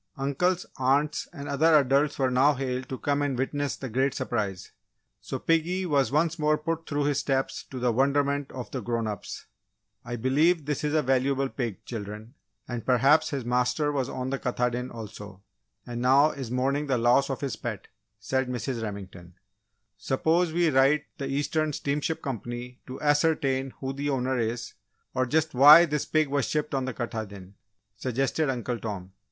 Uncles, aunts, and other adults were now hailed to come and witness the great surprise. So piggy was once more put through his "steps" to the wonderment of the grown ups. "I believe this is a valuable pig, children, and perhaps his master was on the Katahdin also, and now is mourning the loss of his pet," said Mrs. Remington. "Suppose we write the Eastern Steamship Company to ascertain who the owner is, or just why this pig was shipped on the Katahdin," suggested Uncle Tom.